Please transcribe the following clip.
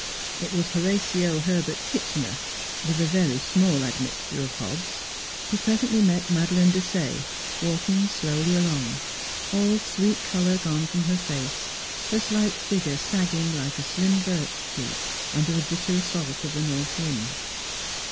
It was Horatio Herbert Kitchener, with a very small admixture of Hobbs, who presently met Madeleine Desaye walking slowly along, all the sweet color gone from her face, her slight figure sagging like a slim birch tree under the bitter assault of the north wind.